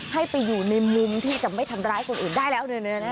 ให้ไปอยู่ในมุมที่จะไม่ทำร้ายคนอื่นได้แล้ว